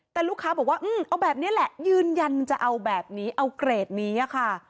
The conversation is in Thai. แต่ลูกค้าบอกว่าเอาแบบนี้แหละยืนยันจะเอาแบบนี้เอาเกรดนี้ค่ะ